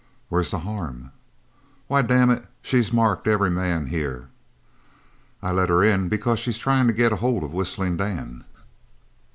"Where's the harm?" "Why, damn it, she's marked every man here." "I let her in because she is trying to get hold of Whistling Dan."